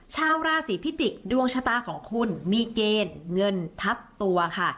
ชาวราศีพิจิกษ์ดวงชะตาของคุณมีเกณฑ์เงินทับตัวค่ะ